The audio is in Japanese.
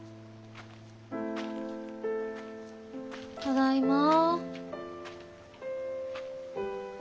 ただいま。